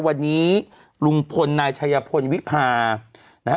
กรมป้องกันแล้วก็บรรเทาสาธารณภัยนะคะ